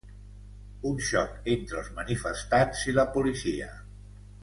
Un xoc entre els manifestants i la policia.